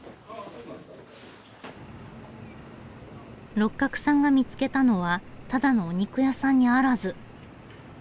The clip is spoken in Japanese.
六角さんが見つけたのはただのお肉屋さんにあらず。